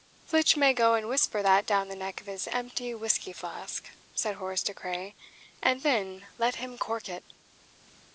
"Flitch may go and whisper that down the neck of his empty whisky flask," said Horace De Craye. "And then let him cork it."